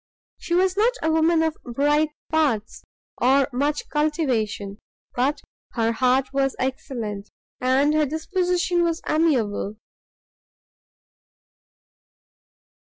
She was not a woman of bright parts, or much cultivation, but her heart was excellent, and her disposition was amiable.